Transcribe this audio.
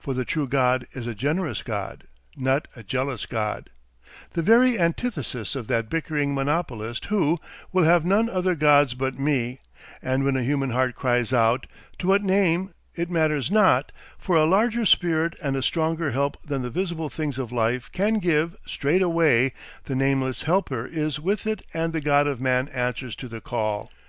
For the True God is a generous God, not a jealous God; the very antithesis of that bickering monopolist who "will have none other gods but Me"; and when a human heart cries out to what name it matters not for a larger spirit and a stronger help than the visible things of life can give, straightway the nameless Helper is with it and the God of Man answers to the call.